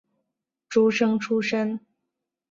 诸生出身。